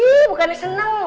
ih bukannya seneng